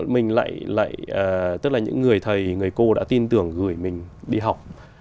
mình lại tức là những người thầy người cô đã tin tưởng gửi mình đi học